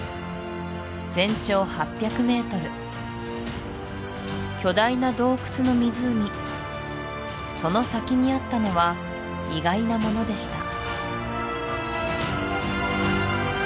全長８００ｍ巨大な洞窟の湖その先にあったのは意外なものでした